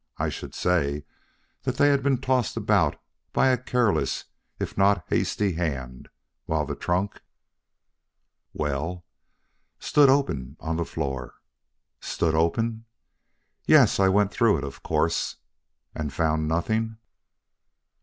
I should say that they had been tossed about by a careless if not hasty hand, while the trunk " "Well?" "Stood open on the floor." "Stood open?" "Yes, I went through it, of course." "And found nothing?"